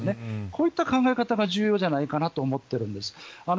こういった考え方が重要じゃないかと思っているんです。